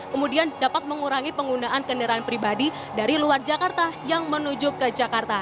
kemudian dapat mengurangi penggunaan kendaraan pribadi dari luar jakarta yang menuju ke jakarta